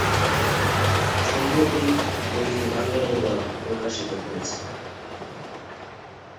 সম্প্রতি বইটির বাংলা অনুবাদ প্রকাশিত হয়েছে।